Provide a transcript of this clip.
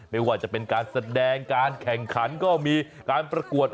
ไม่ว่าจะเป็นการแสดงการแข่งขันก็มีการประกวด